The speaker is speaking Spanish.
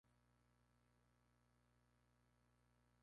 En cuanto a la pesca se dedican a la pesca comercial y municipal.